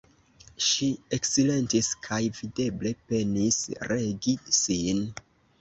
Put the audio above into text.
Ŝi eksilentis kaj videble penis regi sin.